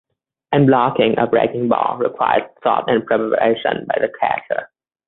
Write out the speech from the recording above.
And blocking a breaking ball requires thought and preparation by the catcher.